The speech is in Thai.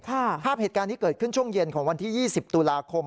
ภาพเหตุการณ์ที่เกิดขึ้นช่วงเย็นของวันที่๒๐ตุลาคม